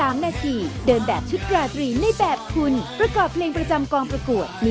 มันจะอ้วก